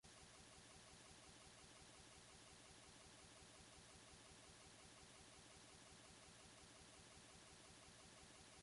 Her artistic estate was administered by Bettina Clausen.